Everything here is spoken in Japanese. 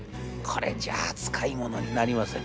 これじゃあ使い物になりません。